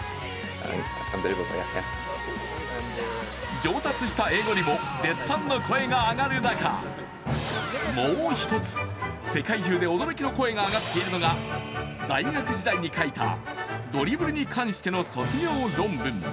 上達した英語にも絶賛の声が上がる中、もう一つ、世界中で驚きの声が上がっているのが大学時代に書いたドリブルに関しての卒業論文。